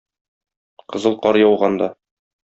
Кызыл кар яуганда.